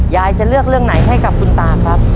จะเลือกเรื่องไหนให้กับคุณตาครับ